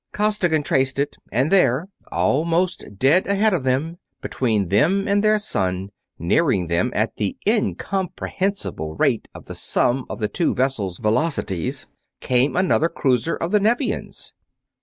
Costigan traced it, and there, almost dead ahead of them, between them and their sun, nearing them at the incomprehensible rate of the sum of the two vessels' velocities, came another cruiser of the Nevians!